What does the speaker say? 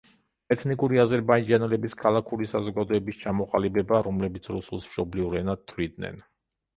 ეთნიკური აზერბაიჯანელების ქალაქური საზოგადოების ჩამოყალიბება, რომლებიც რუსულს მშობლიურ ენად თვლიდნენ.